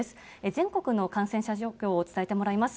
全国の感染者情報を伝えてもらいます。